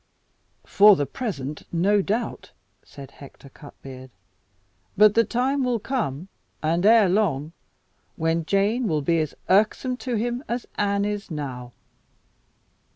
"For the present, no doubt," said Hector Cutbeard; "but the time will come and ere long when Jane will be as irksome to him as Anne is now."